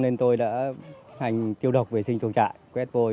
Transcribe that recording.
nên tôi đã hành tiêu độc vệ sinh chuồng trại quét vôi